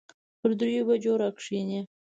پر دريو بجو راکښېني.